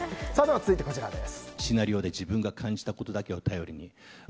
続いて、こちらです。